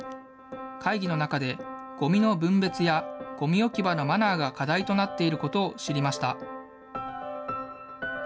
会議の中で、ごみの分別やごみ置き場のマナーが課題となっていることを知りました。